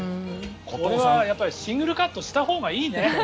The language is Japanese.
これはシングルカットしたほうがいいね。